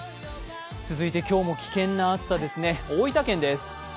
続いて今日も危険な暑さですね、大分県です。